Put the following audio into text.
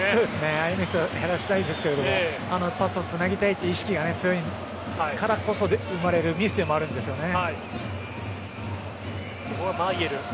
ああいうミス減らしたいんですがパスをつなぎたいという意識が強いからこそ生まれるここはマイェル。